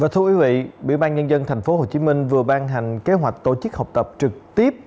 thưa quý vị bộ y tế tp hcm vừa ban hành kế hoạch tổ chức học tập trực tiếp